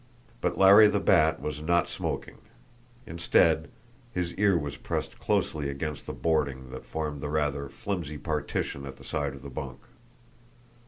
But Larry the Bat was not smoking; instead, his ear was pressed closely against the boarding that formed the rather flimsy partition at the side of the bunk.